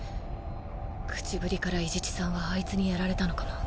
口ぶりから伊地知さんはあいつにやられたのかな。